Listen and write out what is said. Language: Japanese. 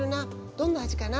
どんなあじかな？